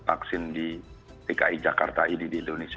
pada vaksin di pki jakarta ini di indonesia